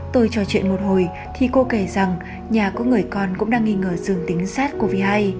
tôi trò chuyện một hồi thì cô kể rằng nhà có người con cũng đang nghi ngờ dường tính xác của v hai